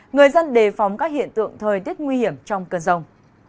người dân đề phóng các hiện tượng thời tiết nguy hiểm trong cơn rông